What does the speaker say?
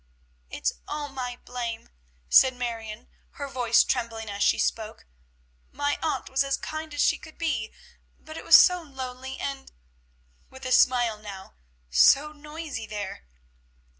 "It's all my blame," said Marion, her voice trembling as she spoke. "My aunt was as kind as she could be, but it was so lonely, and" with a smile now "so noisy there."